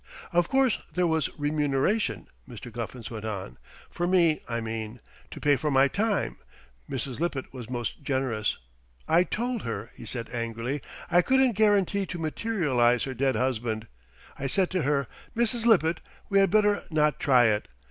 "Of course there was remuneration," Mr. Guffins went on. "For me, I mean. To pay for my time. Mrs. Lippett was most generous. I told her," he said angrily, "I couldn't guarantee to materialize her dead husband. I said to her: 'Mrs. Lippett, we had better not try it.